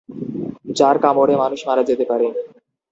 যার কামড়ে মানুষ মারা যেতে পারে।